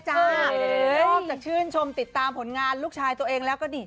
นอกจากชื่นชมติดตามผลงานลูกชายตัวเองแล้วก็นี่